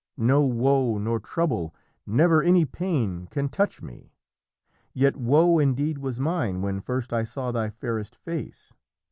No woe nor trouble, never any pain can touch me. Yet woe indeed was mine when first I saw thy fairest face.